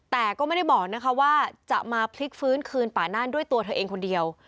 แต่ก็ไม่ได้บอกนะคะว่าจะมาพลิกฟื้นคืนป่าน่านด้วยตัวเธอเองคนเดียว